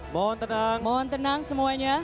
mohon tenang semuanya